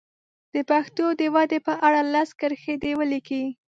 د پښتو د ودې په اړه لس کرښې دې ولیکي.